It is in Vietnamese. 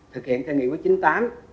thực hiện theo nghị quyết chín mươi tám